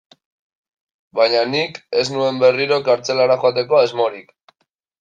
Baina nik ez nuen berriro kartzelara joateko asmorik.